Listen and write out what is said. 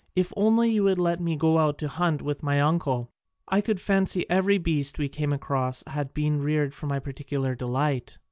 If only you would let me go out to hunt with my uncle, I could fancy every beast we came across had been reared for my particular delight!"